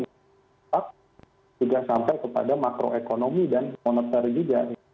tetap juga sampai kepada makroekonomi dan moneter juga